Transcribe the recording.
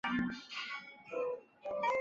治所在牂牁县。